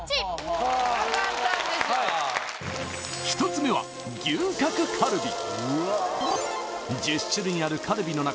１つ目は牛角カルビ